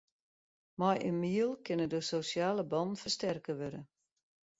Mei in miel kinne de sosjale bannen fersterke wurde.